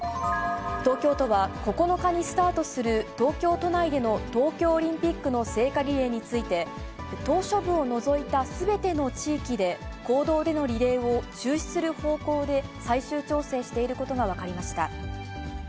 東京都は９日にスタートする東京都内での東京オリンピックの聖火リレーについて、島しょ部を除いたすべての地域で、公道でのリレーを中止する方向で、最終調整していることが分かりました。